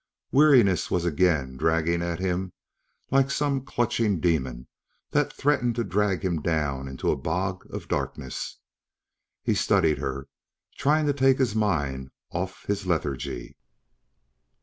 Weariness was again dragging at him like some clutching demon that threatened to drag him down into a bog of darkness. He studied her, trying to take his mind off his lethargy.